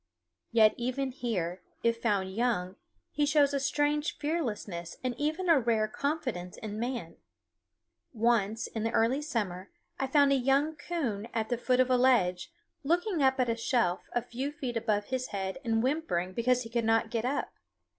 Yet even here, if found young, he shows a strange fearlessness and even a rare confidence in man. Once, in the early summer, I found a young coon at the foot of a ledge, looking up at a shelf a few feet above his head and whimpering because he could not get up.